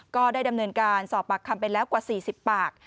ก็ได้ดำเนินการสอบปากคำไปแล้วกว่า๔๐ปาก